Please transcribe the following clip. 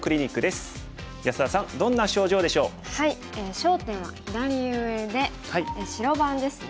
焦点は左上で白番ですね。